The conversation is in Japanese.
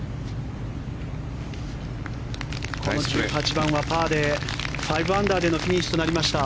この１８番はパーで５アンダーでのフィニッシュとなりました。